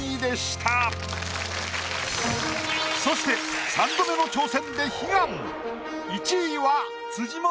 そして３度目の挑戦で悲願。